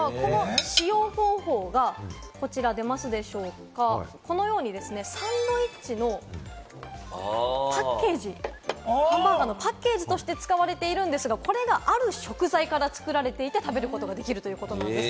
こちら、食べられる包装紙なんですが、この使用方法がこのようにサインドイッチのパッケージ、ハンバーガーのパッケージとして使われているんですが、これがある食材から作られていて食べることができるということなんです。